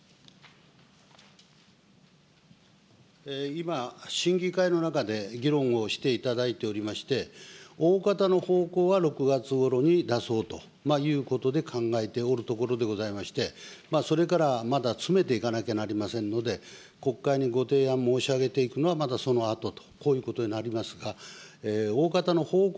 今、審議会の中で議論をしていただいておりまして、大方の方向は、６月ごろに出そうということで考えておるところでございまして、それからまだ詰めていかなければなりませんので、国会にご提案申し上げていくのは、まだそのあとと、こういうことになりますが、大方の方向